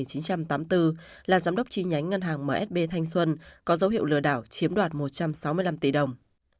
sinh năm một nghìn chín trăm tám mươi bốn là giám đốc chi nhánh ngân hàng msb thanh xuân có dấu hiệu lừa đảo chiếm đoạt một trăm sáu mươi năm tỷ đồng